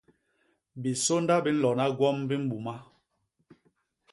Bisônda bi nlona gwom bi mbuma.